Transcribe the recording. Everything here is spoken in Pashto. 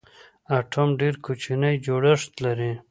اټوم ډېر کوچنی جوړښت لري.